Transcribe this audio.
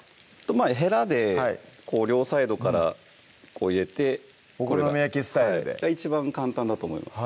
ヘラで両サイドからこう入れてお好み焼きスタイルで一番簡単だと思います